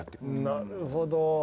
なるほど。